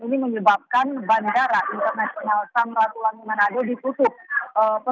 ini menyebabkan bandara internasional samratulangi manado ditutup